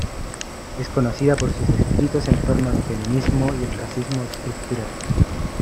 Es conocida por sus escritos en torno al feminismo y el racismo estructural.